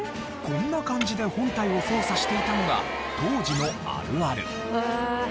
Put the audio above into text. こんな感じで本体を操作していたのが当時のあるある。